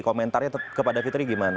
komentarnya kepada fitri gimana